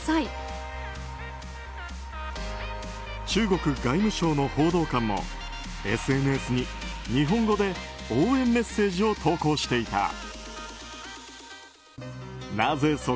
中国外務省の報道官もＳＮＳに日本語で応援メッセージを投稿していた。